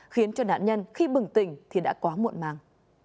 khiến cho nạn nhân khi bừng tỉnh thì đã quá muộn màng